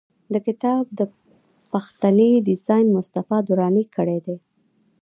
د کتاب د پښتۍ ډیزاین مصطفی دراني کړی دی.